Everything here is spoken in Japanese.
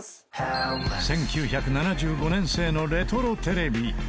１９７５年製のレトロテレビ。